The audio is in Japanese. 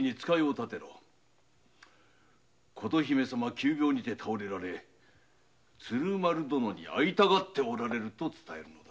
急病にて倒れられ鶴丸殿に会いたがっておられると伝えるのだ。